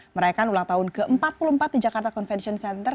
merayakan ulang tahun ke empat puluh empat di jakarta convention center